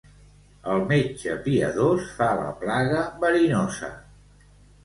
El metge piadós fa la plaga verinosa.